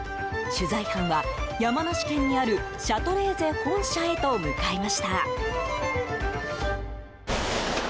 取材班は、山梨県にあるシャトレーゼ本社へと向かいました。